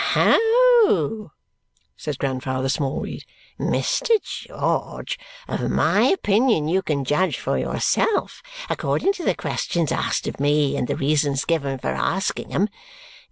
"Ho!" says Grandfather Smallweed. "Mr. George, of my opinion you can judge for yourself according to the questions asked of me and the reasons given for asking 'em.